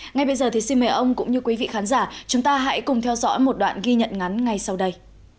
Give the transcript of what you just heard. ngay bây giờ thì xin mời ông cũng như quý vị khán giả chúng ta hãy cùng theo dõi một đoạn ghi nhận ngắn ngay sau đây